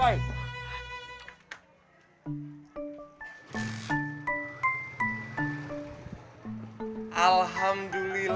waduh per hazard ini